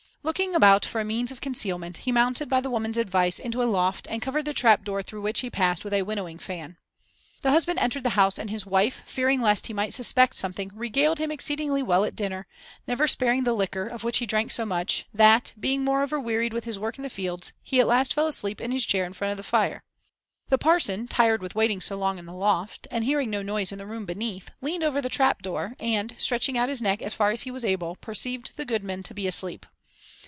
Looking about for a means of concealment, he mounted by the woman's advice into a loft, and covered the trap door through which he passed with a winnowing fan. The husband entered the house, and his wife, fearing lest he might suspect something, regaled him exceedingly well at dinner, never sparing the liquor, of which he drank so much, that, being moreover wearied with his work in the fields, he at last fell asleep in his chair in front of the fire. The parson, tired with waiting so long in the loft, and hearing no noise in the room beneath, leaned over the trap door, and, stretching out his neck as far as he was able, perceived the goodman to be asleep.